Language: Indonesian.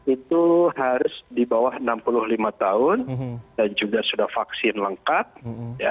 itu harus di bawah enam puluh lima tahun dan juga sudah vaksin lengkap ya